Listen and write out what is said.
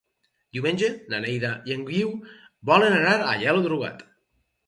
Diumenge na Neida i en Guiu volen anar a Aielo de Rugat.